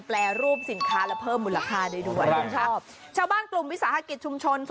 แปรรูปสินค้าและเพิ่มมูลค่าได้ด้วย